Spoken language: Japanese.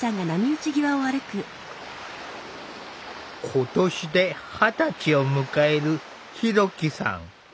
今年で二十歳を迎えるひろきさん。